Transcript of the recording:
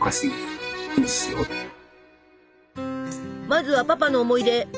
まずはパパの思い出！